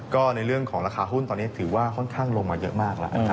ก็ในเรื่องของราคาหุ้นตอนนี้ถือว่าค่อนข้างลงมาเยอะมากแล้วนะครับ